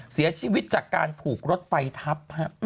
เสียชีวิตจากการถูกรถไฟทับ